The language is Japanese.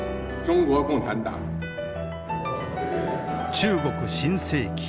中国新世紀。